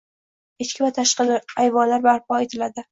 Ichki va tashqi ayvonlar barpo etiladi.